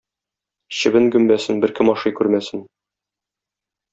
Чебен гөмбәсен беркем ашый күрмәсен.